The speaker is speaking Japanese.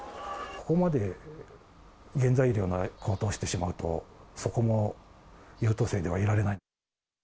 ここまで原材料が高騰してしまうと、そこも優等生ではいられない。